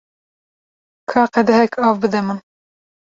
Ka qedehek av bide min.